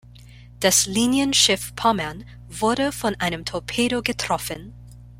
Das Linienschiff "Pommern" wurde von einem Torpedo getroffen.